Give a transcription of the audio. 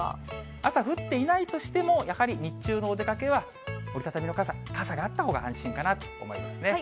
朝、降っていないとしても、やはり日中のお出かけは折り畳みの傘があったほうが安心かなと思いますね。